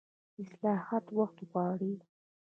اصلاحات وخت غواړي